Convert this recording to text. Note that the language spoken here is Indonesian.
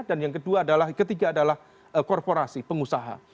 dan yang ketiga adalah korporasi pengusaha